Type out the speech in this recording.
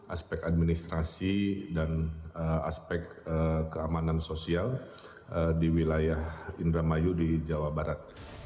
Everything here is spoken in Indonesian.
aspek administrasi dan aspek keamanan sosial di wilayah indramayu di jawa barat